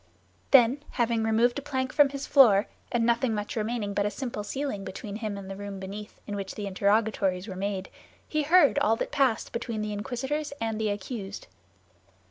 Then, having removed a plank from his floor, and nothing remaining but a simple ceiling between him and the room beneath, in which the interrogatories were made, he heard all that passed between the inquisitors and the accused.